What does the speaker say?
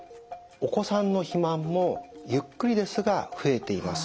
お子さんの肥満もゆっくりですが増えています。